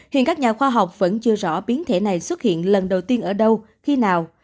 hiện các nhà khoa học vẫn chưa rõ biến thể này xuất hiện lần đầu tiên ở đâu khi nào